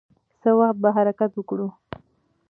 څه وخت به حرکت وکړو؟